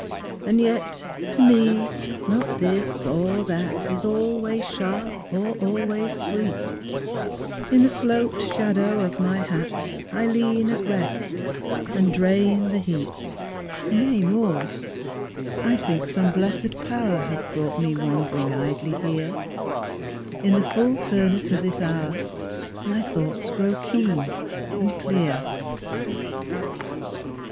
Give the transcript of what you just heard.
And yet to me not this or that Is always sharp or always sweet; In the sloped shadow of my hat I lean at rest, and drain the heat; Nay more, I think some blessèd power Hath brought me wandering idly here: In the full furnace of this hour My thoughts grow keen and clear.